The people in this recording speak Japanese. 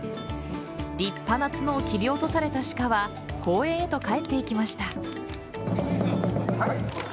立派な角を切り落とされた鹿は公園へと帰って行きました。